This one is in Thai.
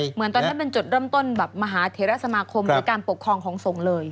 เหมือนตอนนั้นเป็นจุดเริ่มต้นแบบมหาเทราสมาคมหรือการปกครองของสงฆ์เลย